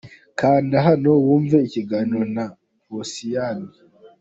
Kanda hano wumve ikiganiro na Posiyani.